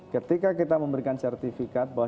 ketika kita memberikan sertifikat bahwa